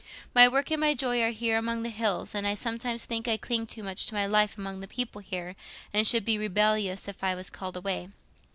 My work and my joy are here among the hills, and I sometimes think I cling too much to my life among the people here, and should be rebellious if I was called away.